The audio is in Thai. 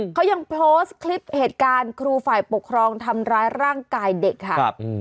เขายังโพสต์คลิปเหตุการณ์ครูฝ่ายปกครองทำร้ายร่างกายเด็กค่ะ